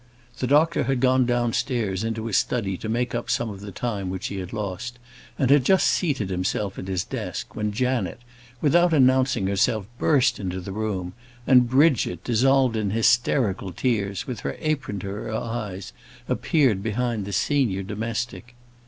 The doctor had gone downstairs into his study to make up some of the time which he had lost, and had just seated himself at his desk, when Janet, without announcing herself, burst into the room; and Bridget, dissolved in hysterical tears, with her apron to her eyes, appeared behind the senior domestic.